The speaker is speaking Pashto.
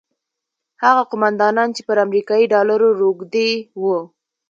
هغه قوماندانان چې پر امریکایي ډالرو روږدي وو.